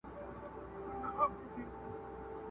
o دا ئې گز، دا ئې ميدان٫